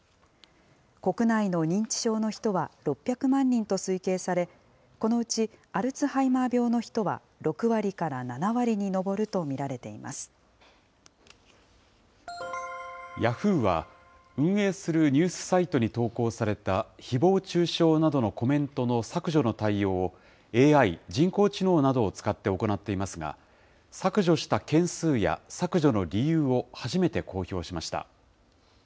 国内の認知症の人は６００万人と推計され、このうちアルツハイマー病の人は、６割から７割に上ると見られていヤフーは、運営するニュースサイトに投稿されたひぼう中傷などのコメントの削除の対応を、ＡＩ・人工知能などを使って行っていますが、削除した件数や削除の理由を初めて公表しました。